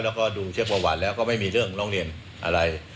แล้วก็ดูเช็คประวัติแล้วก็ไม่มีเรื่องร้องเรียนอะไร